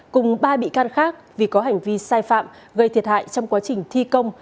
cùng ba bị can khác vì có hành vi sai phạm gây thiệt hại trong quá trình thi công